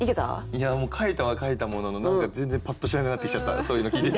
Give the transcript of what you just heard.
いやもう書いたは書いたものの何か全然パッとしなくなってきちゃったそういうの聞いてたら。